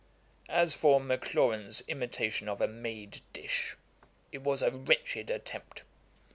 'As for Maclaurin's imitation of a made dish, it was a wretched attempt.'